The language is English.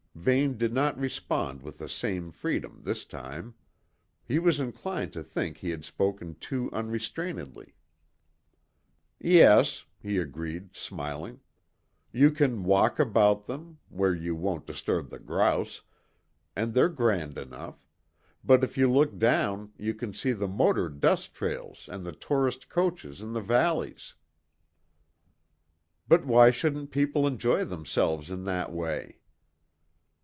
Vane did not respond with the same freedom this time. He was inclined to think he had spoken too unrestrainedly. "Yes," he agreed, smiling; "you can walk about them where you won't disturb the grouse and they're grand enough; but if you look down you can see the motor dust trails and the tourist coaches in the valleys." "But why shouldn't people enjoy themselves in that way?"